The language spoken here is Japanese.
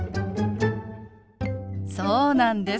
そうなんです。